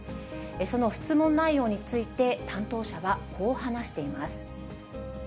その質問内容について、担当者はこう話しています。